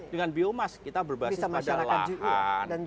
dengan biomas kita berbasis pada lahan